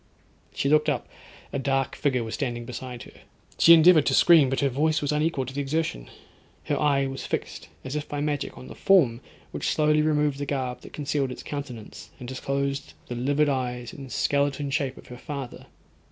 She looked up, a dark figure was standing beside her; she endeavoured to scream, but her voice was unequal to the exertion; her eye was fixed, as if by magic, on the form which, slowly removed the garb that concealed its countenance, and disclosed the livid eyes and skeleton shape of her father.